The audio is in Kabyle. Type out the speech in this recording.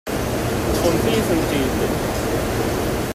Ṭṭfemt-iyi-tent-id.